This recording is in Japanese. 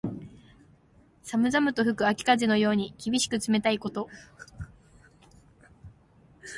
寒々と吹く秋風のように、厳しく冷たいこと。